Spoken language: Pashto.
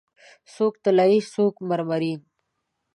څوک طلایې، څوک مرمرین